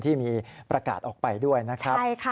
ที่มีประกาศออกไปด้วยนะครับ